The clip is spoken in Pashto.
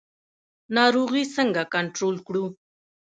ناروغي څنګه کنټرول کړو؟